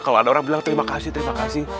kalau ada orang bilang terima kasih terima kasih